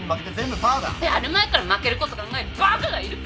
やる前から負けること考えるバカがいるか！